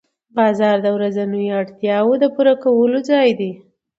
بازار د ورځنیو اړتیاوو د پوره کولو ځای دی